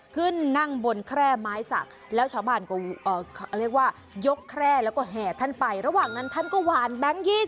ขึ้นนั่งบนแคร่ไม้ศักดิ์รึปนี่แล้วชาวบ้านก็หยกแคร่และแหวช์ท่านไประหว่างนั้นท่านกำลังหวานแบงก์๒๐